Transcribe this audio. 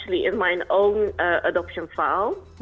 jadi saya menghubungi orang orang dari kota saya